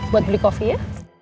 buat beli kopi ya